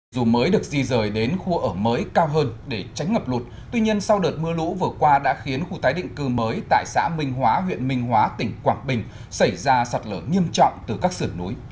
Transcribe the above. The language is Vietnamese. dù mới được di rời đến khu ở mới cao hơn để tránh ngập lụt tuy nhiên sau đợt mưa lũ vừa qua đã khiến khu tái định cư mới tại xã minh hóa huyện minh hóa tỉnh quảng bình xảy ra sạt lở nghiêm trọng từ các sườn núi